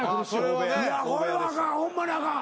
これはあかんホンマにあかん。